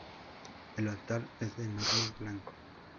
El altar es de mármol blanco.